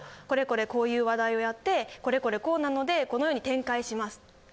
これこれこういう話題をやってこれこれこうなのでこのように展開します。